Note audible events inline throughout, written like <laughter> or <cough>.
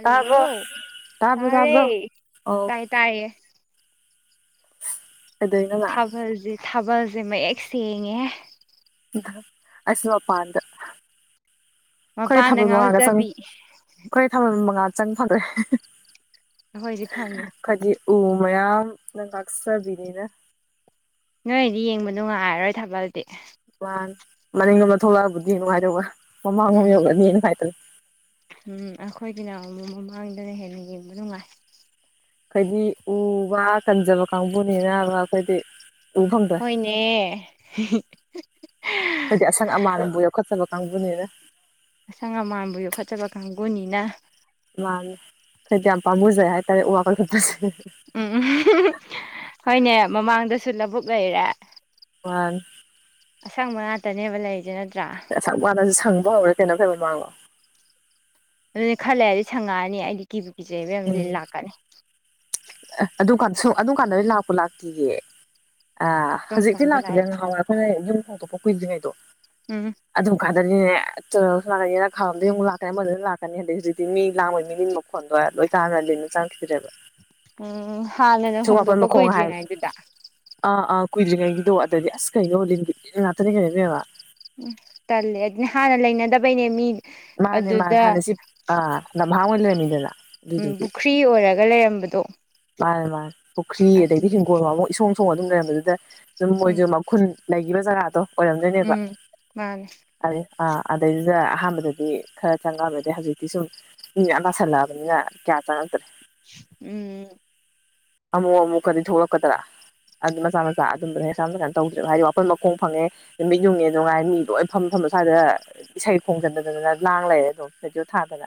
ꯇꯥꯕ꯭ꯔꯣ ꯇꯥꯕ꯭ꯔꯣ ꯇꯥꯔꯦ ꯇꯥꯕ꯭ꯔꯣ ꯑꯣ ꯇꯥꯏꯌꯦ ꯇꯥꯏꯌꯦ ꯑꯗꯨꯗꯣꯏꯅ ꯂ ꯊꯥꯕꯜꯁꯦ ꯊꯥꯕꯜꯁꯦ ꯃꯌꯦꯛ ꯁꯦꯡꯉꯦ ꯑꯁ ꯃꯄꯥꯟꯗ ꯈꯔ ꯃꯄꯥꯟꯗ ꯊꯥꯕꯜ ꯃꯉꯥꯗ ꯆꯪ ꯉꯥꯎꯖꯕꯤ ꯈꯔ ꯊꯥꯕꯜ ꯃꯉꯥꯗ ꯆꯪ ꯐꯗ꯭ꯔꯦ ꯑꯩꯈꯣꯏꯁ ꯐꯪꯉꯦ ꯑꯣ ꯃꯌꯥꯝ ꯅꯪ ꯀꯁꯕꯤꯅꯤꯅꯦ ꯅꯣꯏꯗꯤ ꯌꯦꯡꯕ ꯅꯨꯡꯉꯥꯏꯔꯣꯏ ꯊꯥꯕꯜꯗꯤ ꯍꯥꯟ ꯃꯅꯤꯡꯒꯨꯝ ꯊꯣꯛꯂꯛꯑꯕꯨꯗꯤ ꯅꯨꯡꯉꯥꯏꯔꯧꯕ ꯃꯃꯥꯡꯒꯣꯝ ꯎꯝ ꯌꯧꯔꯅꯤ ꯅꯨꯡꯉꯥꯏꯇꯅ ꯎꯝ ꯑꯩꯈꯣꯏꯒꯤꯅ ꯑꯃ ꯃꯃꯥꯡꯗꯅ ꯍꯦꯟꯅ ꯌꯦꯡꯕ ꯅꯨꯡꯉꯥꯏ ꯍꯥꯏꯣꯏꯗꯤ ꯎ ꯋꯥ ꯀꯟꯖꯕ ꯀꯥꯡꯕꯨꯅꯤꯅ ꯑꯩꯈꯣꯏꯗꯤ ꯎ ꯐꯪꯗ꯭ꯔꯦ ꯍꯣꯏꯅꯦ ꯑꯩꯈꯣꯏꯗꯤ ꯑꯁꯪ ꯑꯃꯥꯟꯕꯨ ꯌꯣꯛꯈꯠꯆꯕ ꯀꯥꯡꯕꯨꯅꯤꯅ ꯑꯁꯪ ꯑꯃꯥꯟꯕ ꯌꯣꯛ ꯈꯣꯠꯆꯕ ꯀꯥꯡꯕꯨꯨꯅꯤꯅ ꯃꯥ ꯈꯗꯤ ꯌꯥꯝ ꯄꯥꯝꯨꯖꯦ ꯍꯥꯏꯇꯥꯔꯦ ꯎ ꯋꯥ ꯀꯜꯦ ꯎꯝ ꯍꯣꯏꯅꯦ ꯃꯃꯥꯡꯗꯁꯨ ꯂꯧꯕꯨꯛ ꯂꯩꯔꯦ ꯑ ꯑꯁꯪꯕ ꯉꯥꯛꯇꯅꯦꯕ ꯂꯩꯁꯤꯅ ꯁꯥꯛ ꯋꯥꯅꯁꯨ ꯁꯪꯕ ꯍꯧꯔꯦ ꯀꯩꯅꯣ ꯀꯩꯩꯅꯣ ꯃꯥꯡꯂꯣ ꯑꯗꯨꯅ ꯈꯔ ꯂꯩꯔ ꯑꯗꯨꯗꯤ ꯁꯪꯉꯛꯑꯅꯤ ꯑꯩꯗꯤ ꯀꯤꯕꯨ ꯀꯤꯖꯩꯕ ꯂꯥꯛꯀꯅꯤ ꯑꯗꯨꯀꯥꯟ ꯁ ꯑꯗꯨꯀꯥꯟꯗꯗ ꯂꯥꯛꯄ ꯂꯥꯛꯇꯌꯦ ꯑ ꯀꯔꯝ ꯍꯧꯖꯤꯛꯇꯤ ꯀꯥꯟꯗ ꯂꯥꯛꯈꯤꯗ꯭ꯔ ꯂꯥꯛꯑꯦꯕ ꯉꯍꯥꯎꯋꯦ ꯑꯩꯈꯣꯏꯅ ꯌꯨꯝ ꯍꯣꯡꯗꯣꯛꯄ ꯀꯨꯏꯗ꯭ꯔꯤꯉꯩꯗꯣ ꯎꯝ ꯑꯗꯨ ꯀꯗ ꯁꯨ ꯂꯥꯛꯀꯅꯤꯅ ꯈꯔꯝꯗ ꯑꯃꯨꯛ ꯂꯥꯛꯀꯅꯤ ꯑꯃꯗ ꯂꯥꯛꯀꯅꯤ ꯍꯥꯏꯟꯛ ꯍꯧꯖꯤꯛꯇꯤ ꯃꯤ ꯂꯥꯡꯕꯒꯤ ꯃꯤꯅꯤꯃꯨꯛ ꯈꯣꯟꯗꯣꯏꯔ ꯂꯣꯏ ꯇꯥꯟꯅꯔꯅꯤ ꯑꯗꯨꯅ ꯆꯥꯟꯈꯤꯗꯔꯕ ꯎꯝ ꯍꯥꯟꯅꯅ ꯍꯣꯡꯗꯣꯛꯄ ꯀꯨꯏꯗ꯭ꯔꯤꯉꯩꯗꯨꯗ ꯀꯨꯏ꯭ꯔꯤꯉꯩꯒꯤꯗꯣ ꯑꯗꯗꯤ ꯑꯁ ꯀꯩꯩꯅꯣ ꯂꯤꯟꯒꯤ ꯏꯟ ꯉꯥꯛꯇꯅꯦ ꯀꯩꯅꯣꯅꯦꯕ ꯎꯝ ꯇꯂ ꯑꯗꯨꯅ ꯍꯥꯟꯅ ꯂꯩꯅꯗꯕꯩꯅꯦ ꯃꯤ ꯃꯥꯅꯦ ꯃꯥꯅꯦ ꯑꯗꯨꯗ ꯍꯥꯟꯅ ꯁꯤ ꯑ ꯂꯝꯝꯍꯥꯡ ꯑꯣꯏꯅ ꯂꯩꯔꯝꯃꯤꯗꯅ ꯎꯝ ꯑꯗꯨꯗꯨꯒꯤ ꯄꯨꯈ꯭ꯔꯤ ꯑꯣꯏꯔꯒ ꯂꯩꯔꯝꯕꯗꯣ ꯃꯥꯅꯦ ꯃꯥ ꯄꯨꯈ꯭ꯔꯤ ꯑꯗꯩꯗꯤ ꯑꯗꯨꯗꯨꯒꯤ ꯍꯤꯡꯈꯣꯜ ꯑꯃ ꯏꯁꯣꯡ ꯁꯣꯡ ꯑꯗꯨꯝ ꯂꯩꯔꯝꯕꯗꯨꯗ ꯑꯗꯨꯝ ꯎꯝ ꯃꯣꯏꯁꯨ ꯃꯈꯨꯟ ꯏꯈꯤꯕ ꯖꯒꯥꯗꯣ ꯑꯣꯏꯔꯝꯗꯣꯏꯅꯦꯕ ꯎꯝ ꯃꯥꯅꯦ ꯑꯗꯨꯗꯤ ꯑ ꯑꯗꯩꯗꯨꯗ ꯑꯍꯥꯟꯕꯗꯗꯤ ꯈꯔ ꯆꯪꯉꯛꯑꯃꯦ ꯑꯗꯩ ꯍꯧꯖꯤꯛꯇꯤ ꯁꯨꯝ ꯃꯤ ꯇꯁꯜꯂꯛꯑꯕꯅꯤꯅ ꯌꯥ ꯇꯗ꯭ꯔꯦ ꯎꯝ ꯎꯝ ꯑꯃꯨꯛ ꯑꯃꯨꯛꯀꯗꯤ ꯊꯣꯛꯂꯛꯀꯗ꯭ꯔꯥ ꯑꯗꯨ ꯃꯆꯥ ꯃꯆꯥ ꯑꯗꯨꯝꯕꯗ ꯍꯥꯝ ꯀꯥꯏꯅ ꯇꯧꯗꯅ ꯍꯥꯏꯗꯤ ꯋꯥꯈꯜ ꯃꯈꯣꯡ ꯐꯪꯉꯦ ꯅꯨꯃꯤꯠ ꯌꯨꯡꯉꯦ ꯑꯗꯨꯅꯨꯡꯉꯥꯏ ꯃꯤ ꯂꯣꯏ ꯐꯐꯝ ꯐ ꯁ꯭ꯋꯥꯏꯗ ꯏꯁꯩ ꯈꯣꯡꯖꯤꯟꯗꯗꯅ ꯂꯥꯡ ꯂꯩꯔꯦ ꯑꯗꯨꯝ ꯁꯖꯤ ꯊꯥꯗꯅ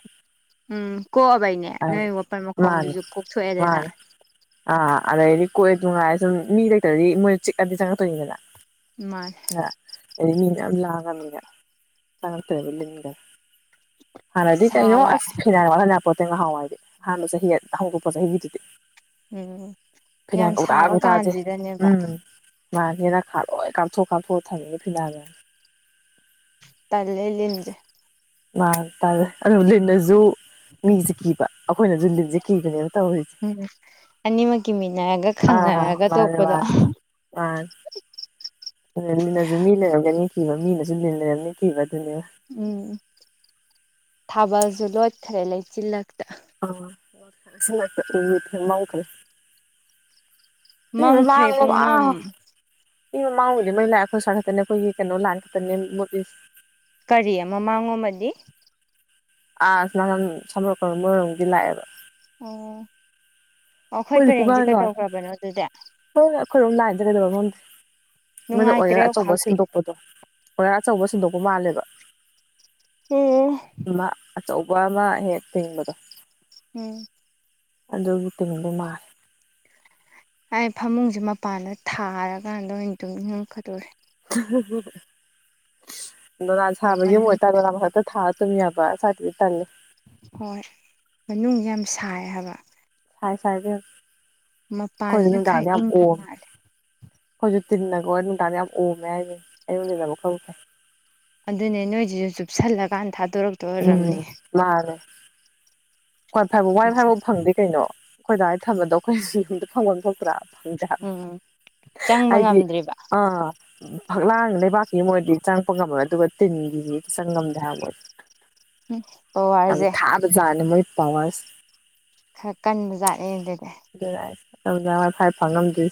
ꯎꯝ ꯀꯣꯛꯑꯕꯩꯅꯦ ꯅꯣꯏ ꯋꯥꯄꯜ ꯃꯥꯅꯤ ꯃꯈꯣꯡꯗꯨꯁꯨ ꯀꯣꯛꯊꯣꯛꯑꯦꯗꯅ ꯃꯥꯅꯤ ꯑꯥ ꯑꯗꯩꯗꯤ ꯀꯣꯏꯑꯦ ꯅꯨꯡꯉꯥꯏꯔꯦ ꯁꯨꯝ ꯃꯤ ꯂꯩꯇ꯭ꯔꯗꯤ ꯃꯣꯏꯅ ꯆꯤꯛꯀꯗꯤ ꯆꯪꯉꯛꯇꯣꯏꯏꯗꯅ ꯃꯥ ꯉꯒꯅꯤꯂ ꯇꯥꯔꯊꯔꯗ ꯍꯥꯟꯅꯗꯤ ꯀꯩꯅꯣ ꯁꯥꯕ ꯑꯁ ꯐꯤꯅꯥꯏ ꯋꯥꯠꯍꯜꯂꯄꯣꯠꯇꯦ ꯉꯍꯥꯎꯋꯥ ꯍꯥꯏꯗꯤ ꯑꯍꯥꯟꯕ ꯆꯍꯤ ꯍꯧꯗꯣꯛꯄ ꯆꯍꯤꯒꯤꯗꯨꯗꯤ ꯎꯝ ꯌꯥꯝ ꯁꯥꯕ ꯐꯉꯒꯗꯖꯦ ꯀꯥꯟꯁꯤꯗꯅꯦꯕ ꯎꯝ ꯃꯥꯒꯤꯦꯔ ꯈꯥ ꯂꯣꯏ ꯀꯥꯞꯊꯣꯛ ꯀꯥꯞꯊꯣꯛꯑ ꯊꯝꯃꯤꯒꯦ ꯐꯤꯅꯥꯅꯦ ꯇꯂ ꯂꯩꯖꯦ ꯃꯥ ꯇꯔꯦ ꯑꯗꯨꯣ ꯂꯤꯟꯗꯁꯨ ꯃꯤꯁꯦ ꯀꯤꯕ ꯑꯩꯈꯣꯏꯅꯁꯨ ꯂꯤꯟꯁꯦ ꯀꯤꯕꯅꯦꯕ ꯇꯧꯔꯤꯁꯦ ꯎꯝ ꯑꯅꯤꯃꯛꯀꯤ ꯃꯤꯟꯅꯔꯒ ꯈꯪꯅꯔꯒ ꯇꯣꯛꯄꯗꯣ ꯑ ꯅꯁꯨꯃꯤꯅꯅꯤ ꯀꯕ ꯃꯤꯅꯁꯨꯅ ꯅꯅꯤ ꯀꯈꯤꯕꯕ ꯎꯝ ꯊꯥꯕꯁꯨ ꯂꯣꯠꯈꯔꯦ ꯂꯩꯆꯤꯜꯂꯛꯇ ꯑ ꯎ ꯏ ꯃꯎ ꯐ ꯎ ꯃꯝꯈ꯭ꯔꯦ ꯄꯨꯡꯃꯝ ꯋꯥꯉꯃ ꯏ ꯃꯃꯥꯡꯒꯤꯗꯤ ꯃꯩ ꯂꯥꯛꯑꯦꯈꯣꯏ ꯁꯥꯥ ꯈꯛꯇꯅꯦ ꯑꯩꯈꯣꯏꯒꯤ ꯀꯩꯅꯣ ꯂꯥꯟ ꯈꯛꯇꯅꯦ ꯅꯣꯔꯠ ꯏꯁ ꯀꯔꯤ ꯑꯃꯃꯥꯡꯃꯗꯤ ꯑ ꯅ ꯁꯝꯕꯣꯔꯀ ꯃꯣꯏꯔꯣꯝꯗꯤ ꯂꯥꯛꯑꯦꯕ ꯑꯣ ꯑꯩꯈꯣꯏ ꯍꯣꯏꯗꯤ ꯄꯔꯦꯡꯁꯦ ꯄꯨꯡꯉꯥꯟꯀ ꯀꯩꯗꯧꯈ꯭ꯔꯕꯅꯣ ꯑꯗꯨꯗꯤ ꯍꯣꯏ ꯑꯩꯈꯣꯏꯔꯣꯝ ꯂꯥꯏꯟꯗ ꯀꯩꯗꯧꯕ ꯅꯣꯏꯅ ꯅꯨꯡꯉꯥꯏꯇ꯭ꯔꯦ ꯑꯣꯔꯥ ꯑꯆꯧꯕ ꯍꯧꯖꯤꯛꯇꯤ ꯁꯦꯡꯗꯣꯛꯄꯗꯣ ꯑꯣꯌꯥꯥꯔ ꯑꯆꯧꯕ ꯁꯤꯟꯗꯣꯛꯄ ꯃꯥꯜꯂꯦꯕ ꯎꯝ ꯑꯃ ꯑꯆꯧꯕ ꯑꯃ ꯍꯦꯛ ꯊꯤꯡꯕꯗꯣ ꯎꯝ ꯑꯗꯨꯗꯒꯤꯇꯝ ꯃꯥ ꯍꯥꯏ ꯐꯃꯨꯡꯁꯦ ꯃꯄꯥꯟꯗ ꯊꯥꯔꯀꯥꯟꯗ ꯑꯣꯏꯅ ꯑꯗꯨꯨꯝꯝ ꯏꯉꯛꯀꯗꯣꯔꯦ ꯗꯣꯂꯥꯥꯟ ꯁꯥꯕꯒꯤꯨꯝ ꯃꯅꯨꯡ ꯑꯣꯏꯇꯥꯒꯂ ꯈꯛꯇ ꯊ ꯇ ꯌꯥꯄꯥ ꯁꯥ ꯊꯦ ꯍꯣꯏ ꯃꯅꯨꯡꯁ ꯌꯥꯝ ꯁꯥꯏ ꯍꯥꯏꯕ ꯁꯥꯏ ꯁꯥꯏꯗ ꯃꯄꯥꯥꯟꯁꯤꯅ ꯈꯔ ꯏꯪꯕ ꯃꯥꯜꯂꯦ ꯑꯩꯈꯣꯏꯁꯨ ꯇꯤꯟꯅꯒꯣ ꯑꯣꯏ ꯑꯗꯨ ꯇꯥꯔꯗ ꯌꯥꯝ ꯎꯃꯦ ꯍꯥꯏꯁꯦ ꯑꯩꯉ ꯂꯩ ꯈꯔ ꯑꯗꯨꯅꯦ ꯅꯣꯏꯁꯤꯁꯨ ꯆꯨꯞꯁꯜꯂꯀꯥꯟꯗ ꯊꯥꯗꯣꯔꯛꯇ ꯐꯩ ꯑꯣꯏꯔꯝꯅꯤ ꯎꯝ ꯃꯥꯅꯦ ꯍꯣꯏ ꯐꯕ ꯋꯥꯏ ꯐꯕꯥꯎ ꯐꯪꯗꯦ ꯀꯩꯅꯣ ꯑꯩꯈꯣꯏ ꯑꯗꯨꯗꯥꯋꯥꯏꯅ ꯊꯝꯕꯗꯣ ꯑꯩꯈꯣꯏꯨꯝꯝ ꯐꯪꯐꯝ ꯑꯃ ꯊꯣꯛꯇ꯭ꯔꯥ ꯎꯝ ꯆꯪꯕ ꯍꯥꯏꯗꯤ ꯉꯝꯗ꯭ꯔꯤꯕ ꯑ ꯐꯛꯂꯥꯡ ꯂꯩꯕꯥꯛꯀꯤ ꯃꯣꯏꯗꯤ ꯆꯪꯉꯛꯄ ꯉꯝꯣꯏ ꯑꯗꯨꯒ ꯇꯤꯟꯒꯤꯁꯤ ꯆꯪ ꯉꯝꯗꯦ ꯍꯥꯏꯕ ꯃꯣꯏꯗꯤ ꯌꯥꯝ ꯄꯋꯥꯔꯁꯦ ꯊꯥꯕꯖꯅꯤ ꯃꯣꯏ ꯄꯋꯥꯁ ꯈꯔ ꯀꯟꯕꯖꯥꯠꯂ ꯑꯗꯨꯗꯤ ꯇ ꯋꯥꯏꯐꯥꯏ ꯐꯪꯉꯝꯗ꯭ꯔꯤ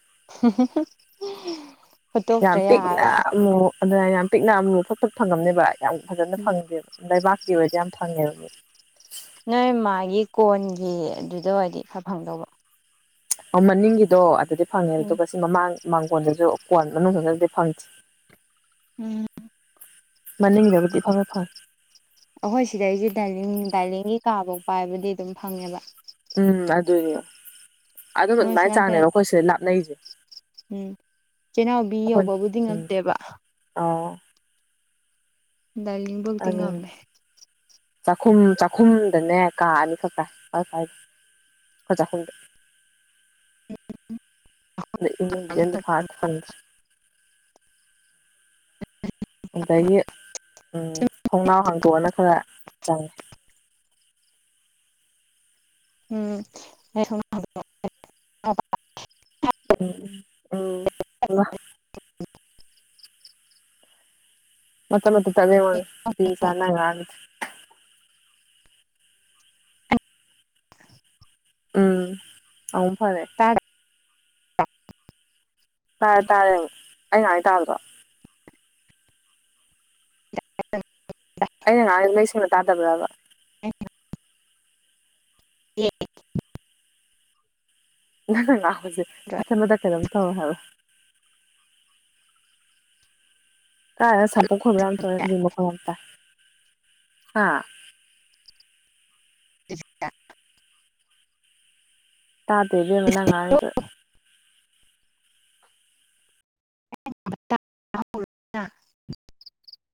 <inaudible> ꯌꯥꯝꯄꯤꯅ ꯌꯥꯔꯔꯣꯏ ꯑꯗꯨꯅ ꯌꯥꯝ ꯄꯤꯛꯅ ꯑꯃ ꯂꯊꯛ ꯊ ꯐꯪꯉꯝꯅꯦꯕ ꯌꯥꯝ ꯐꯖꯅ ꯐꯪꯗꯦꯕ ꯂꯩꯕꯥꯛ ꯏꯕꯗꯤ ꯌꯥꯝ ꯊꯪꯉꯦꯔꯝꯅꯤ ꯅꯣꯏ ꯃꯥꯒꯤ ꯀꯣꯟꯒꯤ ꯑꯗꯨꯗꯣ ꯍꯥꯏꯗꯤ ꯈꯔ ꯐꯪꯗꯧꯕ ꯃꯅꯤꯡꯒꯤꯗꯣ ꯑꯗꯨꯗꯤ ꯐꯪꯉꯦ ꯎꯝ ꯑꯗꯨꯒ ꯁꯤ ꯃꯃꯥꯡ ꯃꯥꯡꯒꯣꯣꯟꯗꯨꯁꯨ ꯀꯣꯟ ꯃꯅꯨꯡꯗꯤ ꯐꯪꯗꯦ ꯎꯝ ꯃꯅꯤꯡꯗꯕꯗꯤ ꯐꯪꯦ ꯐꯪ ꯑꯩꯈꯣꯏ ꯁꯤꯗꯩꯁꯦ ꯗꯥꯏꯂꯤꯡ ꯗꯥꯏꯂꯤꯡꯒꯤ ꯀꯥꯐꯧ ꯄꯥꯏꯕꯗꯤ ꯑꯗꯨꯝ ꯐꯪꯉꯦꯕ ꯎꯝ ꯑꯗꯨꯏꯅꯦ ꯑꯗꯨꯝꯕ ꯃꯣꯏ ꯑꯗꯨꯃꯥꯏꯅ ꯁꯣꯝꯅꯥꯀꯟ ꯆꯥꯡꯅꯦꯕ ꯑꯩꯈꯣꯏ ꯁꯤꯗ ꯂꯥꯞꯅꯩꯁꯦ ꯎꯝ ꯆꯤꯅꯥꯎꯕꯤ ꯑꯩꯈꯣꯏ ꯌꯧꯕꯕꯨꯗꯤ ꯎꯝ ꯉꯗꯦꯕ ꯑꯣ ꯗꯗꯥ ꯂꯕ ꯊꯤꯡ ꯑꯗꯨꯅꯦ ꯉꯝꯃꯦ ꯆꯥꯛꯈꯨꯝ ꯆꯥꯛꯈꯨꯝꯗꯅꯦ ꯀꯛꯑꯅꯤ ꯈꯛꯥꯏ ꯐꯥꯏꯗ ꯈꯖꯈꯗ ꯏ ꯐꯥꯠ ꯐ ꯑꯣꯀꯒꯤꯦ ꯎꯝ ꯊꯣꯡꯅꯥꯎ ꯍꯥꯡꯇꯣꯛꯑꯅ ꯈꯔ ꯆꯪꯉꯦ ꯎꯝ ꯎꯝ ꯑꯣ ꯃꯠꯇꯝ ꯇꯗ ꯋꯥꯉ ꯆꯅꯒꯦ ꯎꯝ ꯑꯟ ꯐꯔꯦ ꯑ ꯇꯥꯔꯦ ꯇꯥꯔꯦ ꯑꯩ ꯉꯥꯏ ꯇꯥꯔꯕ ꯑꯩꯅ ꯅ ꯃꯩꯁꯅ ꯇꯥ ꯇꯕ ꯊꯦꯡ ꯌꯦ ꯅꯪ ꯅꯪ ꯂ ꯍꯧꯖꯤꯦ ꯑꯈꯟꯕꯗ ꯀꯩꯅꯣꯝ ꯇꯧꯋ ꯍꯥꯏꯕ ꯀꯥꯏ ꯁꯄꯨ ꯈꯕꯔꯝ ꯇꯕ ꯈ ꯇ ꯍꯥ <inaudible> ꯇꯥꯇꯗꯤꯃꯟꯅꯪꯉꯥꯡꯉꯗ <inaudible>